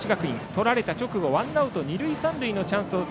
取られた直後にワンアウト、二塁三塁のチャンス